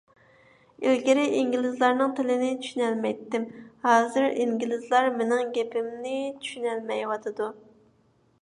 ئىلگىرى ئىنگلىزلارنىڭ تىلىنى چۈشىنەلمەيتتىم، ھازىر ئىنگلىزلار مېنىڭ گېپىمنى چۈشىنەلمەيۋاتىدۇ.